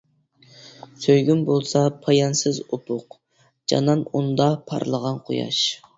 سۆيگۈم بولسا پايانسىز ئۇپۇق، جانان ئۇندا پارلىغان قۇياش.